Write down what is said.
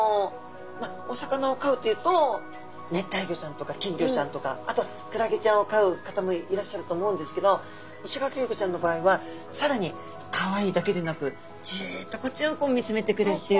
お魚を飼うっていうと熱帯魚ちゃんとか金魚ちゃんとかあとはクラゲちゃんを飼う方もいらっしゃると思うんですけどイシガキフグちゃんの場合はさらにかわいいだけでなくジッとこっちを見つめてくれるという。